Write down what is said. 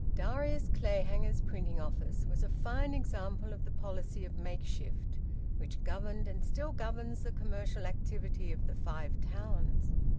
Darius Clayhanger's printing office was a fine example of the policy of makeshift which governed and still governs the commercial activity of the Five Towns.